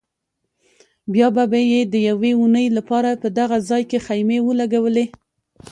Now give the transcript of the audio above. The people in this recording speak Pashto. بیا به یې د یوې اونۍ لپاره په دغه ځای کې خیمې ولګولې.